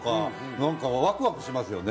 なんかワクワクしますよね。